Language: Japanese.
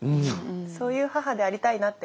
そういう母でありたいなって。